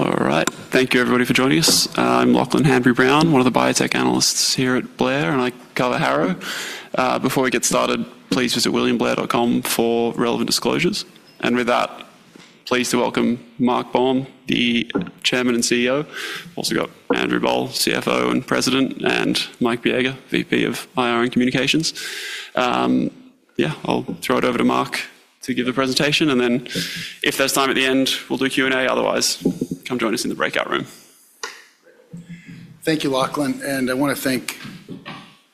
All right. Thank you, everybody, for joining us. I'm Lachlan Hanbury-Brown, one of the biotech analysts here at William Blair, and I cover Harrow. Before we get started, please visit williamblair.com for relevant disclosures. Pleased to welcome Mark Baum, the Chairman and CEO. Also got Andrew Boll, CFO and President, and Mike Biega, VP of IR and Communications. I'll throw it over to Mark to give the presentation, and then if there's time at the end, we'll do Q&A. Otherwise, come join us in the breakout room. Thank you, Lachlan. I want to thank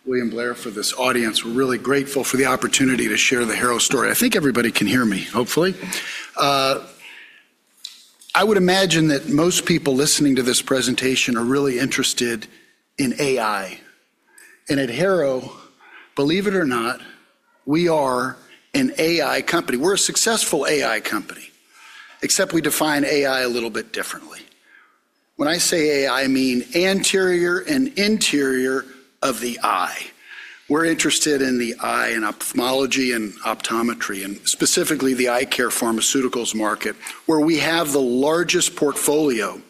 William Blair for this audience. We're really grateful for the opportunity to share the Harrow story. I think everybody can hear me, hopefully. I would imagine that most people listening to this presentation are really interested in AI. At Harrow, believe it or not, we are an AI company. We're a successful AI company, except we define AI a little bit differently. When I say AI, I mean anterior and the interior of the eye. We're interested in the eye and ophthalmology and optometry, and specifically the eye care pharmaceuticals market, where we have the largest portfolio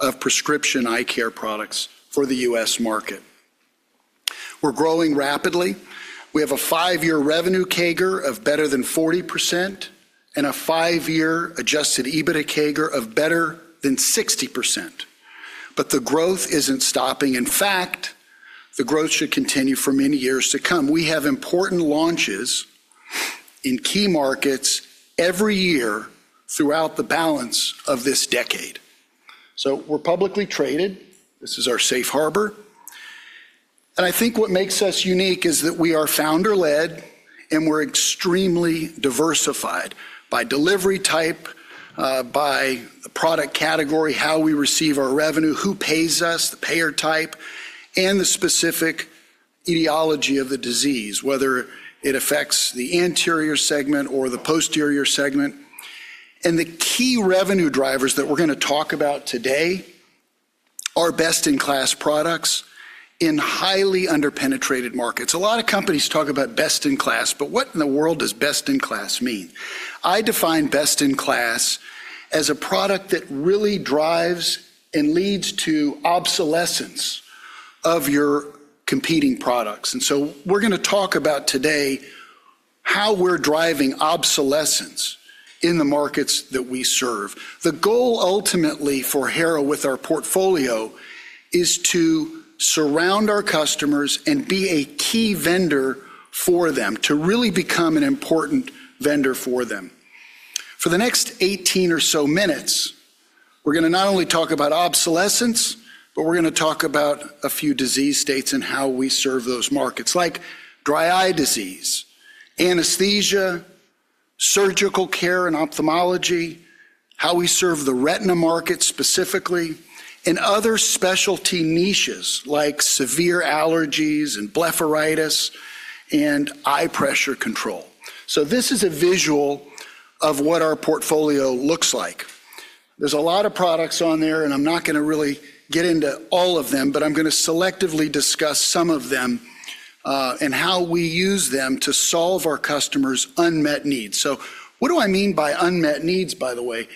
of prescription eye care products for the U.S. market. We're growing rapidly. We have a five-year revenue CAGR of better than 40% and a five-year adjusted EBITDA CAGR of better than 60%. The growth isn't stopping. In fact, the growth should continue for many years to come. We have important launches in key markets every year throughout the balance of this decade. We're publicly traded. This is our safe harbor. I think what makes us unique is that we are founder-led and we're extremely diversified by delivery type, by product category, how we receive our revenue, who pays us, the payer type, and the specific etiology of the disease, whether it affects the anterior segment or the posterior segment. The key revenue drivers that we're going to talk about today are best-in-class products in highly under-penetrated markets. A lot of companies talk about best-in-class, but what in the world does best-in-class mean? I define best-in-class as a product that really drives and leads to obsolescence of your competing products. We're going to talk about today how we're driving obsolescence in the markets that we serve. The goal ultimately for Harrow with our portfolio is to surround our customers and be a key vendor for them, to really become an important vendor for them. For the next 18 or so minutes, we're going to not only talk about obsolescence, but we're going to talk about a few disease states and how we serve those markets, like dry eye disease, anesthesia, surgical care and ophthalmology, how we serve the retina market specifically, and other specialty niches like severe allergies and blepharitis and eye pressure control. This is a visual of what our portfolio looks like. There's a lot of products on there, and I'm not going to really get into all of them, but I'm going to selectively discuss some of them, and how we use them to solve our customers' unmet needs. What do I mean by unmet needs, by the way?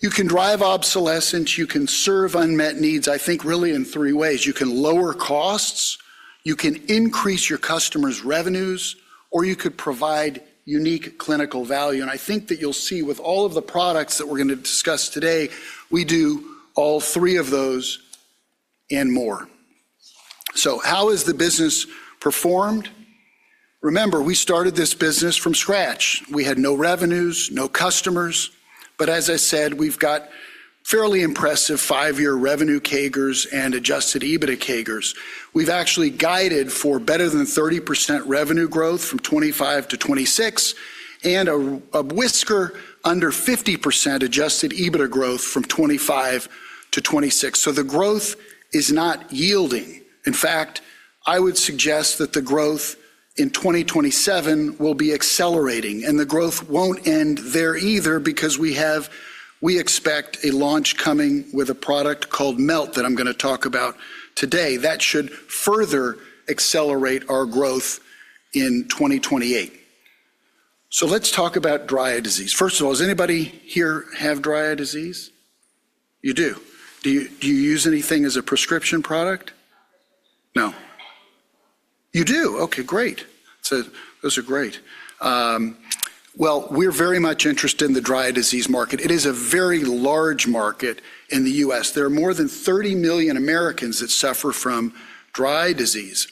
You can drive obsolescence, you can serve unmet needs, I think really in three ways. You can lower costs, you can increase your customers' revenues, or you could provide unique clinical value. I think that you'll see with all of the products that we're going to discuss today, we do all three of those and more. How has the business performed? Remember, we started this business from scratch. We had no revenues, no customers, but as I said, we've got fairly impressive five-year revenue CAGRs and adjusted EBITDA CAGRs. We've actually guided for better than 30% revenue growth from 2025-2026 and a whisker under 50% adjusted EBITDA growth from 2025-2026. The growth is not yielding. In fact, I would suggest that the growth in 2027 will be accelerating, and the growth won't end there either because we expect a launch coming with a product called MELT that I'm going to talk about today. That should further accelerate our growth in 2028. Let's talk about dry eye disease. First of all, does anybody here have dry eye disease? You do. Do you use anything as a prescription product? No. No. You do? Okay, great. Those are great. Well, we're very much interested in the dry eye disease market. It is a very large market in the U.S. There are more than 30 million Americans that suffer from dry eye disease.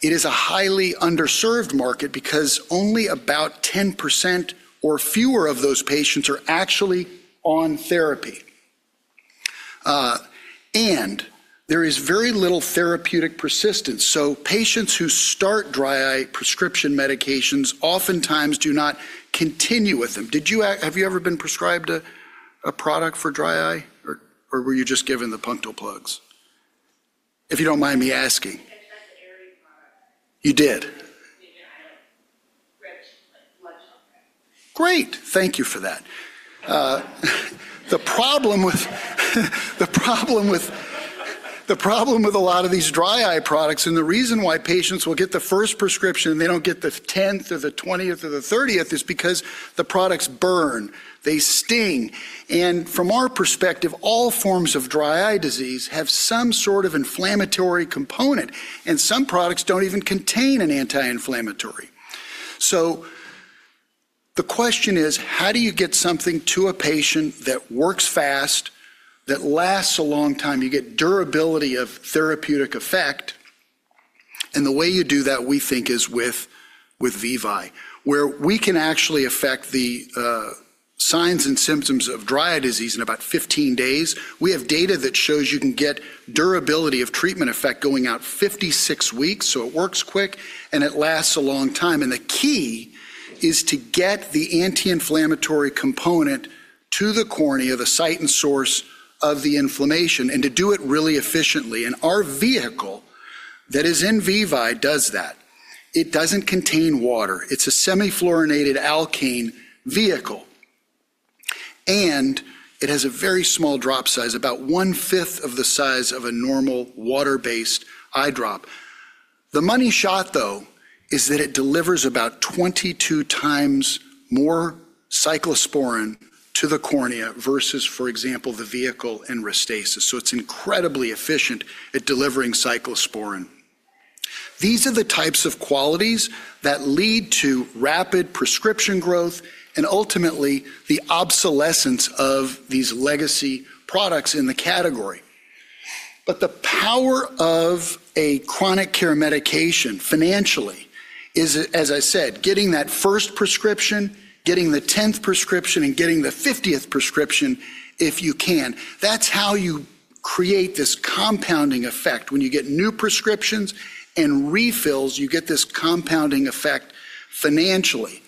It is a highly underserved market because only about 10% or fewer of those patients are actually on therapy. There is very little therapeutic persistence. Patients who start dry eye prescription medications oftentimes do not continue with them. Have you ever been prescribed a product for dry eye or were you just given the punctal plugs? If you don't mind me asking. You did? Great. Thank you for that. The problem with a lot of these dry eye products, and the reason why patients will get the first prescription and they don't get the 10th or the 20th or the 30th, is because the products burn, they sting. From our perspective, all forms of dry eye disease have some sort of inflammatory component, and some products don't even contain an anti-inflammatory. The question is: how do you get something to a patient that works fast, that lasts a long time? You get durability of therapeutic effect. The way you do that, we think, is with VEVYE, where we can actually affect the signs and symptoms of dry eye disease in about 15 days. We have data that shows you can get durability of treatment effect going out 56 weeks. It works quick, and it lasts a long time. The key is to get the anti-inflammatory component to the cornea, the site and source of the inflammation, and to do it really efficiently. Our vehicle that is in VEVYE does that. It doesn't contain water. It's a semifluorinated alkane vehicle. It has a very small drop size, about one-fifth of the size of a normal water-based eye drop. The money shot, though, is that it delivers about 22x more cyclosporine to the cornea versus, for example, the vehicle in RESTASIS. It's incredibly efficient at delivering cyclosporine. These are the types of qualities that lead to rapid prescription growth and ultimately the obsolescence of these legacy products in the category. The power of a chronic care medication financially is, as I said, getting that first prescription, getting the 10th prescription, and getting the 50th prescription if you can. That's how you create this compounding effect. When you get new prescriptions and refills, you get this compounding effect financially.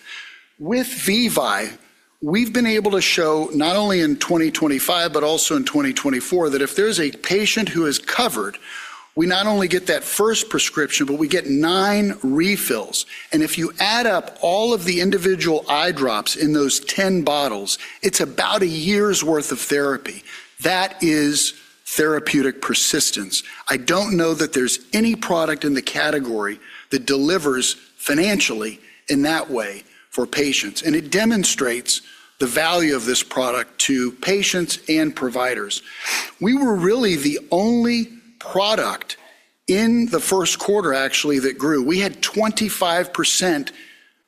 With VEVYE, we've been able to show not only in 2025, but also in 2024, that if there's a patient who is covered, we not only get that first prescription, but we get nine refills. If you add up all of the individual eye drops in those 10 bottles, it's about a year's worth of therapy. That is therapeutic persistence. I don't know that there's any product in the category that delivers financially in that way for patients, and it demonstrates the value of this product to patients and providers. We were really the only product in the first quarter, actually, that grew. We had 25%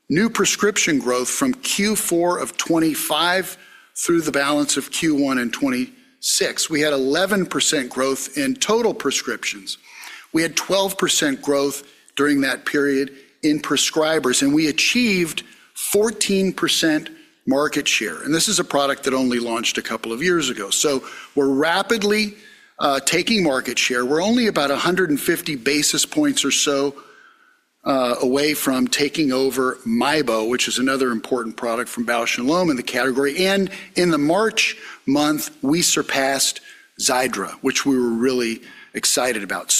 new prescription growth from Q4 of 2025 through the balance of Q1 in 2026. We had 11% growth in total prescriptions. We had 12% growth during that period in prescribers, and we achieved 14% market share. This is a product that only launched a couple of years ago. We're rapidly taking market share. We're only about 150 basis points or so away from taking over MIEBO, which is another important product from Bausch + Lomb in the category. In the March month, we surpassed Xiidra, which we were really excited about.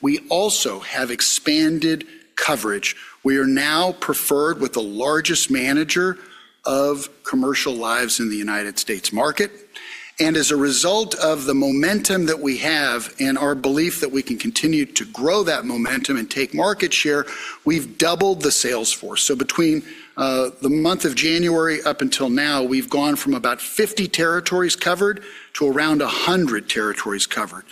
We also have expanded coverage. We are now preferred with the largest manager of commercial lives in the U.S. market. As a result of the momentum that we have and our belief that we can continue to grow that momentum and take market share, we've doubled the sales force. Between the month of January up until now, we've gone from about 50 territories covered to around 100 territories covered.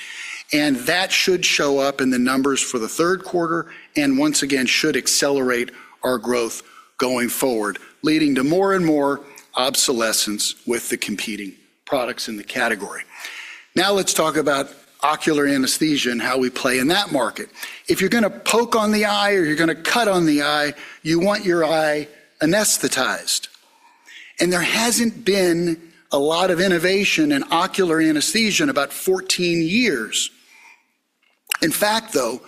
That should show up in the numbers for the third quarter and once again should accelerate our growth going forward, leading to more and more obsolescence with the competing products in the category. Let's talk about ocular anesthesia and how we play in that market. If you're going to poke on the eye or you're going to cut on the eye, you want your eye anesthetized. There hasn't been a lot of innovation in ocular anesthesia in about 14 years. In fact, though,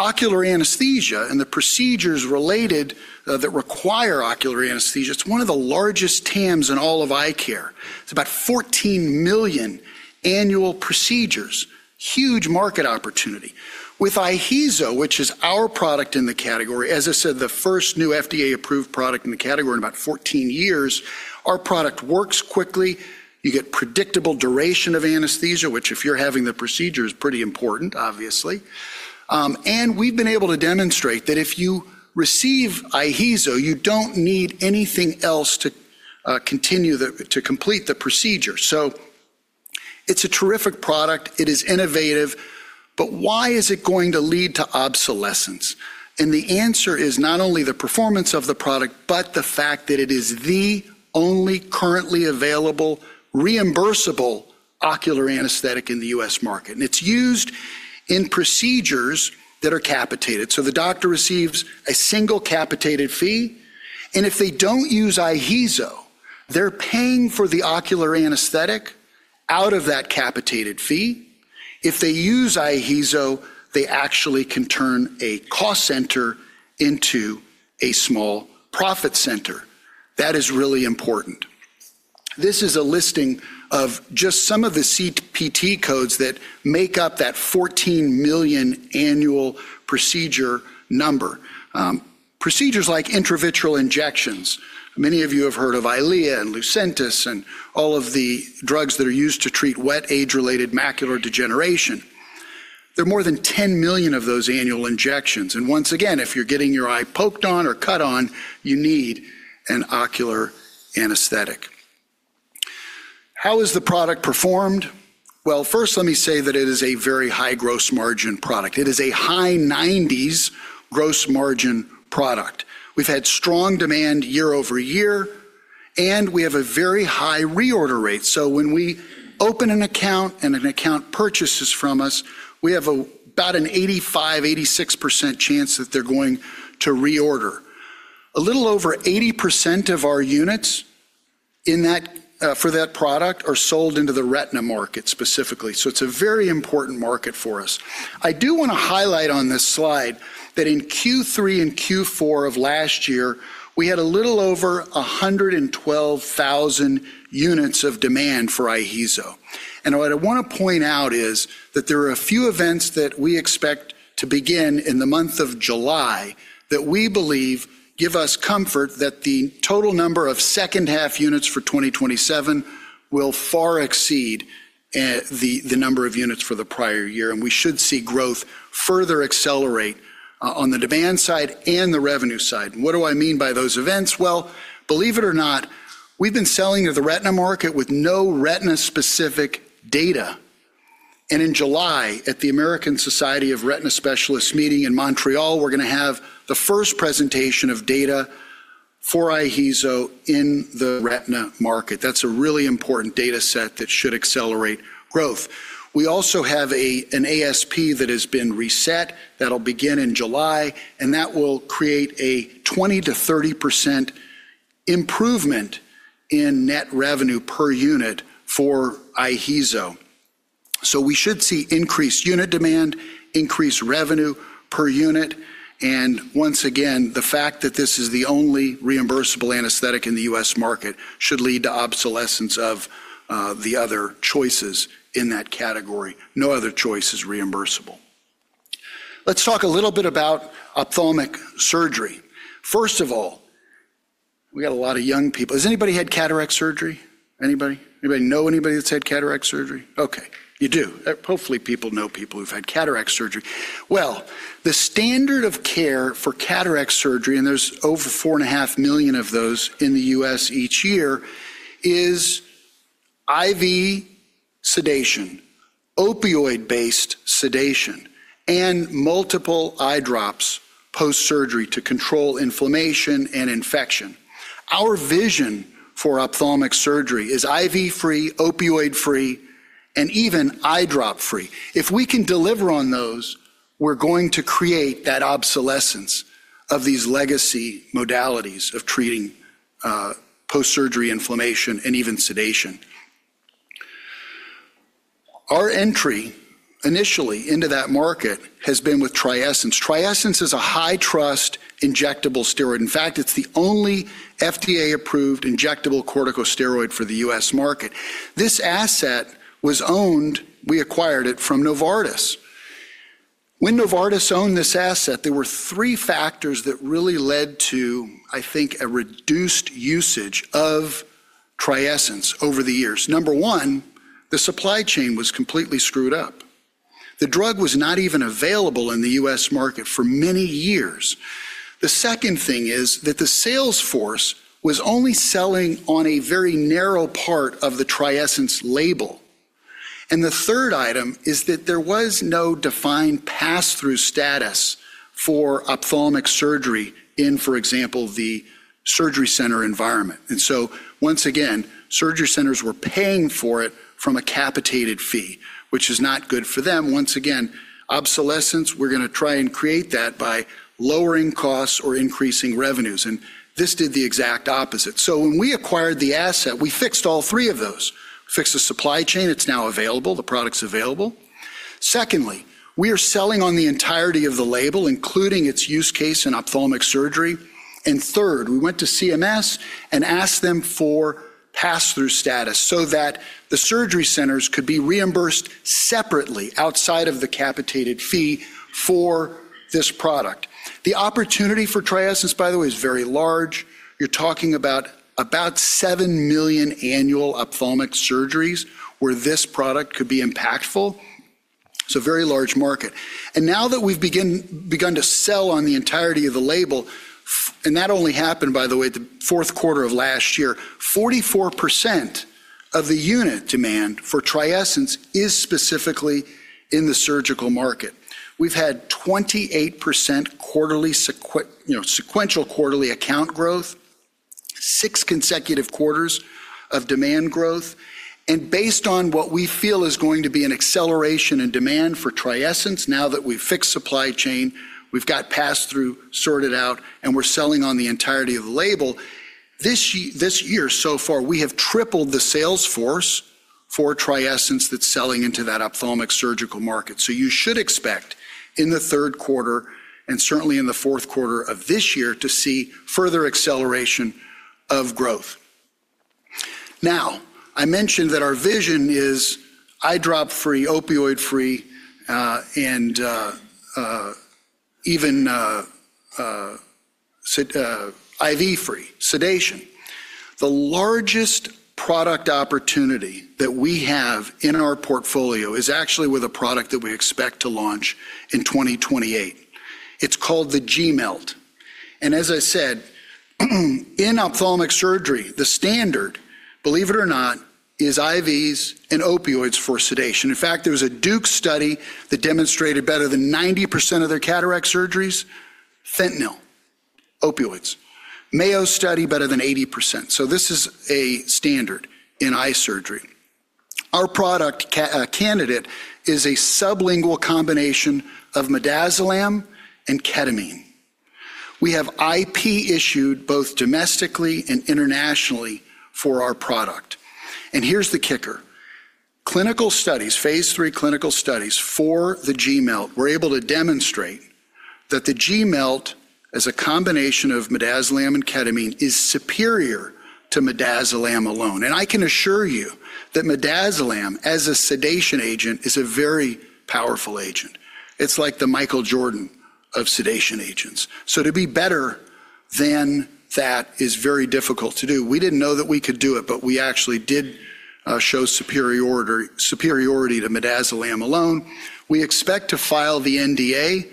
ocular anesthesia and the procedures related that require ocular anesthesia, it's one of the largest TAMs in all of eye care. It's about 14 million annual procedures. Huge market opportunity. With IHEEZO, which is our product in the category, as I said, the first new FDA-approved product in the category in about 14 years, our product works quickly. You get predictable duration of anesthesia, which, if you're having the procedure, is pretty important, obviously. We've been able to demonstrate that if you receive IHEEZO, you don't need anything else to complete the procedure. It's a terrific product. It is innovative. Why is it going to lead to obsolescence? The answer is not only the performance of the product, but the fact that it is the only currently available reimbursable ocular anesthetic in the U.S. market. It's used in procedures that are capitated. The doctor receives a single capitated fee, and if they don't use IHEEZO, they're paying for the ocular anesthetic out of that capitated fee. If they use IHEEZO, they actually can turn a cost center into a small profit center. That is really important. This is a listing of just some of the CPT codes that make up that 14 million annual procedure number. Procedures like intravitreal injections. Many of you have heard of EYLEA and Lucentis and all of the drugs that are used to treat wet age-related macular degeneration. There are more than 10 million of those annual injections. Once again, if you're getting your eye poked on or cut on, you need an ocular anesthetic. How has the product performed? Well, first let me say that it is a very high gross margin product. It is a high 90s gross margin product. We've had strong demand year-over-year. We have a very high reorder rate. When we open an account and an account purchases from us, we have about an 85, 86% chance that they're going to reorder. A little over 80% of our units for that product are sold into the retina market specifically. It's a very important market for us. I do want to highlight on this slide that in Q3 and Q4 of last year, we had a little over 112,000 units of demand for IHEEZO. What I want to point out is that there are a few events that we expect to begin in the month of July that we believe give us comfort that the total number of second half units for 2027 will far exceed the number of units for the prior year, and we should see growth further accelerate on the demand side and the revenue side. What do I mean by those events? Well, believe it or not, we've been selling to the retina market with no retina-specific data. In July, at the American Society of Retina Specialists meeting in Montreal, we're going to have the first presentation of data for IHEEZO in the retina market. That's a really important data set that should accelerate growth. We also have an ASP that has been reset that'll begin in July, that will create a 20%-30% improvement in net revenue per unit for IHEEZO. We should see increased unit demand, increased revenue per unit, once again, the fact that this is the only reimbursable anesthetic in the U.S. market should lead to obsolescence of the other choices in that category. No other choice is reimbursable. Let's talk a little bit about ophthalmic surgery. First of all, we got a lot of young people. Has anybody had cataract surgery? Anybody? Anybody know anybody that's had cataract surgery? Okay. You do. Hopefully, people know people who've had cataract surgery. The standard of care for cataract surgery, and there's over 4.5 million of those in the U.S. each year, is IV sedation, opioid-based sedation, and multiple eye drops post-surgery to control inflammation and infection. Our vision for ophthalmic surgery is IV-free, opioid-free, and even eye drop-free. If we can deliver on those, we're going to create that obsolescence of these legacy modalities of treating post-surgery inflammation and even sedation. Our entry initially into that market has been with TRIESENCE. TRIESENCE is a high-trust injectable steroid. In fact, it's the only FDA-approved injectable corticosteroid for the U.S. market. We acquired it from Novartis. When Novartis owned this asset, there were three factors that really led to, I think, a reduced usage of TRIESENCE over the years. Number one, the supply chain was completely screwed up. The drug was not even available in the U.S. market for many years. The second thing is that the sales force was only selling on a very narrow part of the TRIESENCE label. The third item is that there was no defined pass-through status for ophthalmic surgery in, for example, the surgery center environment. Once again, surgery centers were paying for it from a capitated fee, which is not good for them. Once again, obsolescence, we're going to try and create that by lowering costs or increasing revenues, and this did the exact opposite. When we acquired the asset, we fixed all three of those. Fixed the supply chain. It's now available. The product's available. Secondly, we are selling on the entirety of the label, including its use case in ophthalmic surgery. Third, we went to CMS and asked them for pass-through status so that the surgery centers could be reimbursed separately outside of the capitated fee for this product. The opportunity for TRIESENCE, by the way, is very large. You're talking about 7 million annual ophthalmic surgeries where this product could be impactful. It's a very large market. Now that we've begun to sell on the entirety of the label, and that only happened, by the way, the fourth quarter of last year. 44% of the unit demand for TRIESENCE is specifically in the surgical market. We've had 28% sequential quarterly account growth, 6 consecutive quarters of demand growth, and based on what we feel is going to be an acceleration in demand for TRIESENCE now that we've fixed supply chain, we've got pass-through sorted out, and we're selling on the entirety of the label. This year so far, we have tripled the sales force for TRIESENCE that's selling into that ophthalmic surgical market. You should expect in the third quarter, and certainly in the fourth quarter of this year, to see further acceleration of growth. I mentioned that our vision is eye drop free, opioid free, and even IV free sedation. The largest product opportunity that we have in our portfolio is actually with a product that we expect to launch in 2028. It's called the G Melt. As I said, in ophthalmic surgery, the standard, believe it or not, is IVs and opioids for sedation. In fact, there was a Duke study that demonstrated better than 90% of their cataract surgeries, fentanyl, opioids. Mayo study, better than 80%. This is a standard in eye surgery. Our product candidate is a sublingual combination of midazolam and ketamine. We have IP issued both domestically and internationally for our product. Here's the kicker. Clinical studies, phase III clinical studies for the G Melt were able to demonstrate that the G Melt, as a combination of midazolam and ketamine, is superior to midazolam alone. I can assure you that midazolam as a sedation agent is a very powerful agent. It's like the Michael Jordan of sedation agents. To be better than that is very difficult to do. We didn't know that we could do it, but we actually did show superiority to midazolam alone. We expect to file the NDA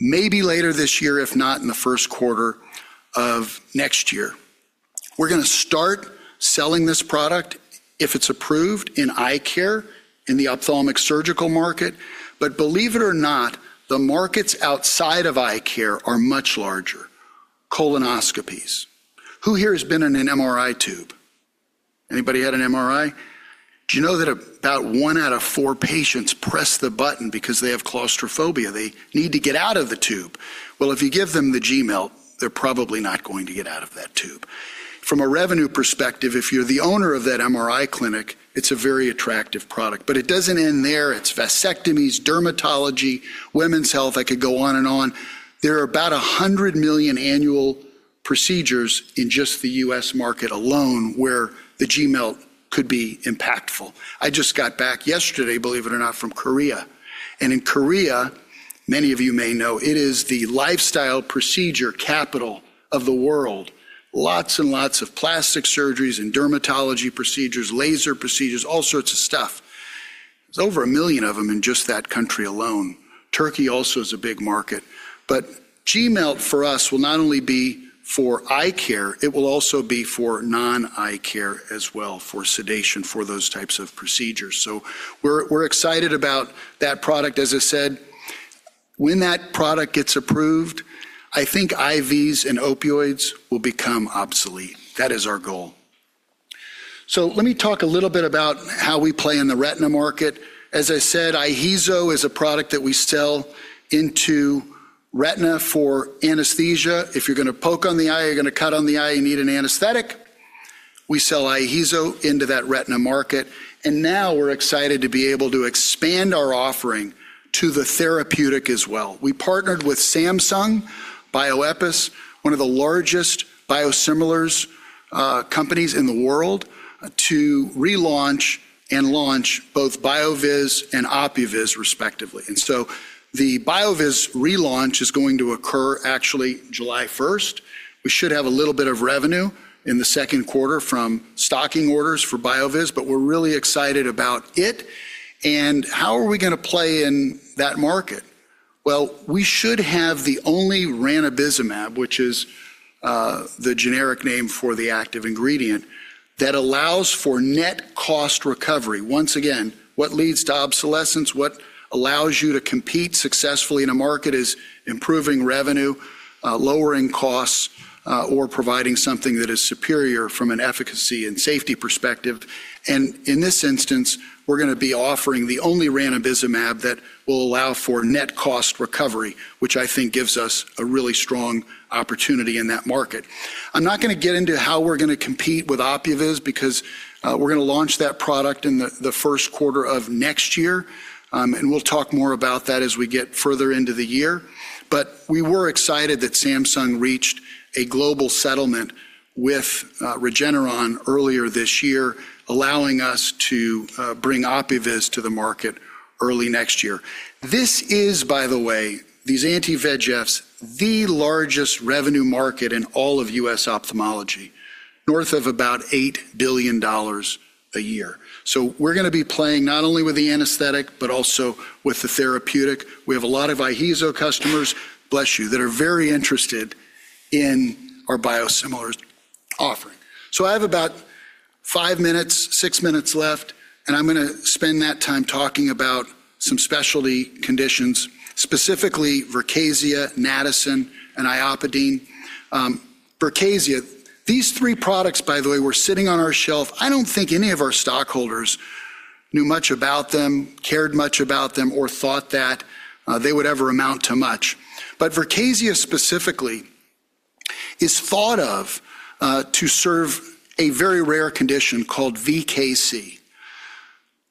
maybe later this year, if not in the first quarter of next year. We're going to start selling this product if it's approved in eye care in the ophthalmic surgical market. Believe it or not, the markets outside of eye care are much larger. Colonoscopies. Who here has been in an MRI tube? Anybody had an MRI? Do you know that about one out of four patients press the button because they have claustrophobia? They need to get out of the tube. Well, if you give them the G Melt, they're probably not going to get out of that tube. From a revenue perspective, if you're the owner of that MRI clinic, it's a very attractive product. It doesn't end there. It's vasectomies, dermatology, women's health. I could go on and on. There are about 100 million annual procedures in just the U.S. market alone, where the G Melt could be impactful. I just got back yesterday, believe it or not, from Korea. In Korea, many of you may know it is the lifestyle procedure capital of the world. Lots and lots of plastic surgeries and dermatology procedures, laser procedures, all sorts of stuff. There's over 1 million of them in just that country alone. Turkey also is a big market. G Melt for us will not only be for eye care, it will also be for non-eye care as well, for sedation for those types of procedures. We're excited about that product. As I said, when that product gets approved, I think IVs and opioids will become obsolete. That is our goal. Let me talk a little bit about how we play in the retina market. As I said, IHEEZO is a product that we sell into retina for anesthesia. If you're going to poke on the eye or you're going to cut on the eye, you need an anesthetic. We sell IHEEZO into that retina market, and now we're excited to be able to expand our offering to the therapeutic as well. We partnered with Samsung Bioepis, one of the largest biosimilars companies in the world, to relaunch and launch both BYOOVIZ and OPUVIZ, respectively. The BYOOVIZ relaunch is going to occur actually July 1st. We should have a little bit of revenue in the second quarter from stocking orders for BYOOVIZ, but we're really excited about it. How are we going to play in that market? Well, we should have the only ranibizumab, which is the generic name for the active ingredient, that allows for net cost recovery. Once again, what leads to obsolescence, what allows you to compete successfully in a market is improving revenue, lowering costs, or providing something that is superior from an efficacy and safety perspective. In this instance, we're going to be offering the only ranibizumab that will allow for net cost recovery, which I think gives us a really strong opportunity in that market. I'm not going to get into how we're going to compete with OPUVIZ, because we're going to launch that product in the first quarter of next year, and we'll talk more about that as we get further into the year. We were excited that Samsung reached a global settlement with Regeneron earlier this year, allowing us to bring OPUVIZ to the market early next year. This is, by the way, these anti-VEGFs, the largest revenue market in all of U.S. ophthalmology, north of about $8 billion a year. We're going to be playing not only with the anesthetic but also with the therapeutic. We have a lot of IHEEZO customers, bless you, that are very interested in our biosimilars offering. I have about five minutes, six minutes left, and I'm going to spend that time talking about some specialty conditions, specifically VERKAZIA, NATACYN, and IOPIDINE. VERKAZIA. These three products, by the way, were sitting on our shelf. I don't think any of our stockholders knew much about them, cared much about them, or thought that they would ever amount to much. VERKAZIA specifically is thought of to serve a very rare condition called VKC.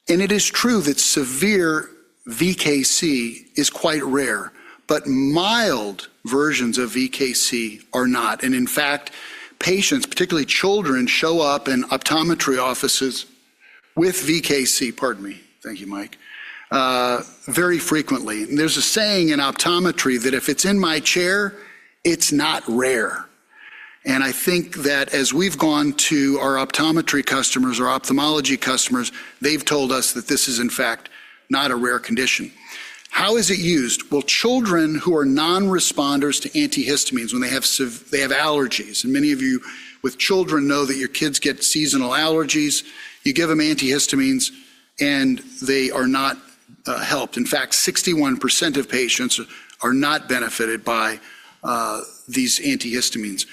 It is true that severe VKC is quite rare, but mild versions of VKC are not. In fact, patients, particularly children, show up in optometry offices with VKC, pardon me, thank you, Mike, very frequently. There's a saying in optometry that "If it's in my chair, it's not rare." I think that as we've gone to our optometry customers or ophthalmology customers, they've told us that this is in fact not a rare condition. How is it used? Well, children who are non-responders to antihistamines when they have allergies, and many of you with children know that your kids get seasonal allergies. You give them antihistamines, and they are not helped. In fact, 61% of patients are not benefited by these antihistamines.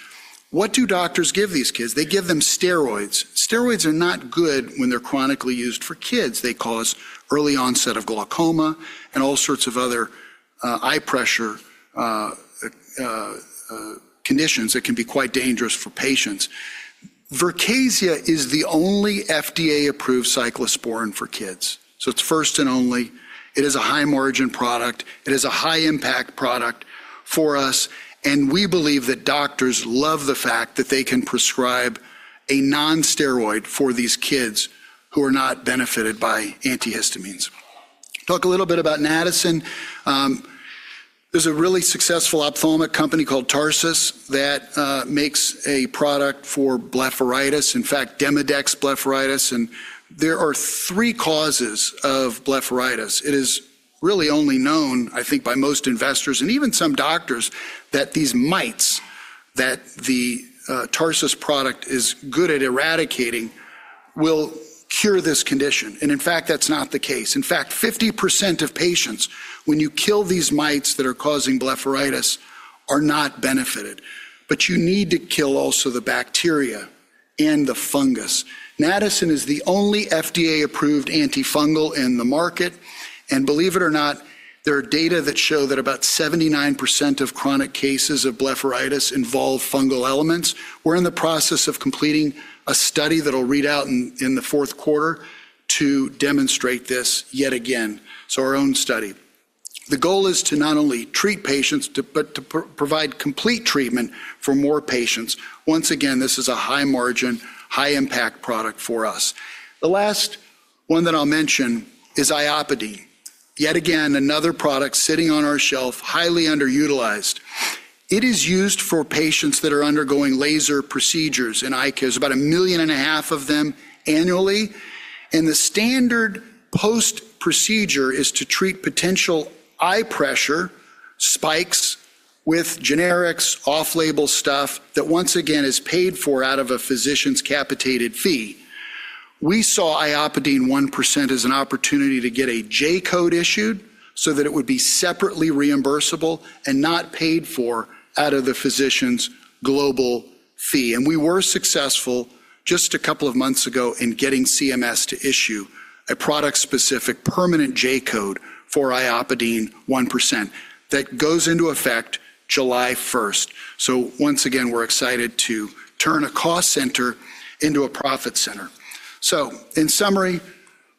What do doctors give these kids? They give them steroids. Steroids are not good when they're chronically used for kids. They cause early onset of glaucoma and all sorts of other eye pressure conditions that can be quite dangerous for patients. VERKAZIA is the only FDA-approved cyclosporine for kids, so it's first and only. It is a high-margin product. It is a high-impact product for us, and we believe that doctors love the fact that they can prescribe a non-steroid for these kids who are not benefited by antihistamines. Talk a little bit about NATACYN. There's a really successful ophthalmic company called Tarsus that makes a product for blepharitis. In fact, Demodex blepharitis. There are three causes of blepharitis. It is really only known, I think, by most investors and even some doctors that these mites that the Tarsus product is good at eradicating will cure this condition. In fact, that's not the case. In fact, 50% of patients, when you kill these mites that are causing blepharitis, are not benefited. You need to kill also the bacteria and the fungus. NATACYN is the only FDA-approved antifungal in the market. Believe it or not, there are data that show that about 79% of chronic cases of blepharitis involve fungal elements. We're in the process of completing a study that'll read out in the fourth quarter to demonstrate this yet again, so our own study. The goal is to not only treat patients, but to provide complete treatment for more patients. Once again, this is a high-margin, high-impact product for us. The last one that I'll mention is IOPIDINE. Yet again, another product sitting on our shelf, highly underutilized. It is used for patients that are undergoing laser procedures in eye care. There's about a million and a half of them annually. The standard post-procedure is to treat potential eye pressure spikes with generics, off-label stuff that once again is paid for out of a physician's capitated fee. We saw IOPIDINE 1% as an opportunity to get a J-code issued so that it would be separately reimbursable and not paid for out of the physician's global fee. We were successful just a couple of months ago in getting CMS to issue a product-specific permanent J-code for IOPIDINE 1% that goes into effect July 1st. Once again, we're excited to turn a cost center into a profit center. In summary,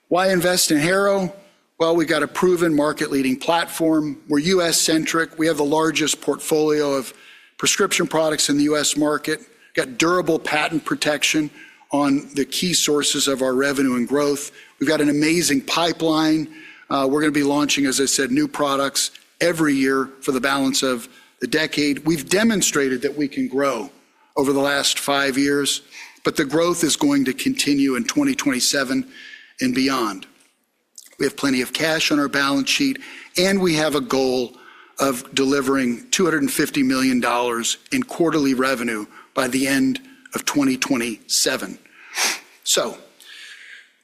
why invest in Harrow? Well, we've got a proven market-leading platform. We're U.S.-centric. We have the largest portfolio of prescription products in the U.S. market, got durable patent protection on the key sources of our revenue and growth. We've got an amazing pipeline. We're going to be launching, as I said, new products every year for the balance of the decade. We've demonstrated that we can grow over the last five years, but the growth is going to continue in 2027 and beyond. We have plenty of cash on our balance sheet, and we have a goal of delivering $250 million in quarterly revenue by the end of 2027.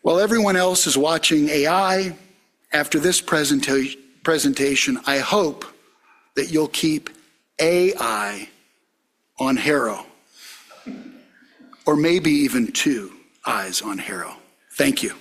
While everyone else is watching AI, after this presentation, I hope that you'll keep a eye on Harrow, or maybe even two eyes on Harrow. Thank you.